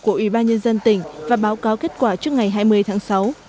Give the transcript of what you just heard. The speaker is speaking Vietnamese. của ủy ban nhân dân tỉnh và báo cáo kết quả trước ngày hai mươi tháng sáu